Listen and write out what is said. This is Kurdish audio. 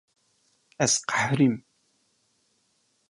Ez qeherîm.